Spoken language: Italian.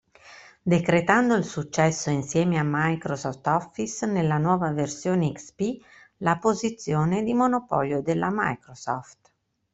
Decretando il successo insieme a Microsoft Office nella nuova versione XP, la posizione di monopolio della Microsoft.